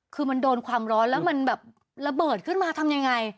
คือมันโดนความร้อนแล้วมันแบบระเบิดขึ้นมาทำยังไง